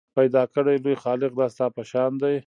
پیدا کړی لوی خالق دا ستا په شان دی